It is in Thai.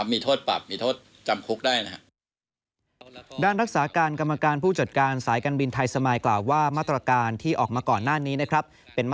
มีโทษปรับมีโทษจำคุกได้นะครับ